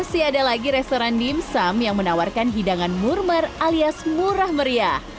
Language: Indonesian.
masih ada lagi restoran dimsum yang menawarkan hidangan murmer alias murah meriah